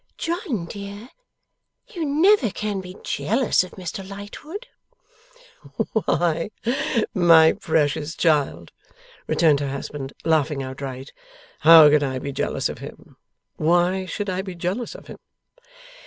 'John dear, you never can be jealous of Mr Lightwood?' 'Why, my precious child,' returned her husband, laughing outright: 'how could I be jealous of him? Why should I be jealous of him?